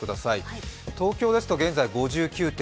東京ですと、現在５９．９。